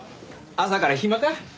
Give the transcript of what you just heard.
朝から暇か？